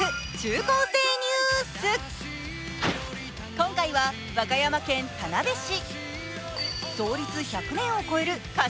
今回は和歌山県田辺市。